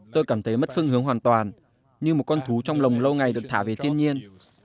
tôi cảm thấy mất phương hướng hoàn toàn như một con thú trong lồng lâu ngày được thả về thiên nhiên